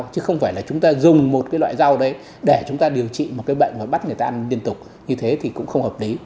chứ không phải là chúng ta dùng một loại rau để điều trị một bệnh và bắt người ta ăn liên tục như thế thì cũng không hợp lý